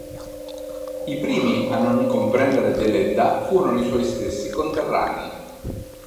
I primi a non comprendere Deledda furono i suoi stessi conterranei.